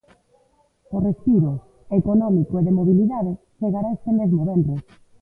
O respiro, económico e de mobilidade, chegará este mesmo venres.